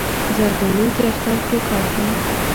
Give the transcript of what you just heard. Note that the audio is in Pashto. زردالو د اختر ټوکر دی.